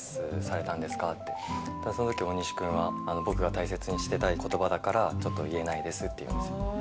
そのとき大西君は僕が大切にしてたいことばだからちょっと言えないですって。